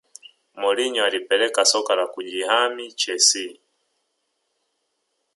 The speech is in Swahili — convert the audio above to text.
Mourinho alipeleka soka la kujihami chelsea